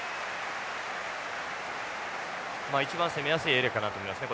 まあ一番攻めやすいエリアかなと思いますね。